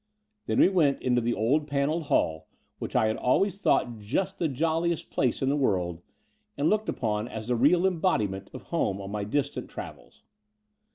Then we went into the old panelled hall, which I had always thought just the joUiest place in the world and looked upon as the real embodiment of home on my distant travels.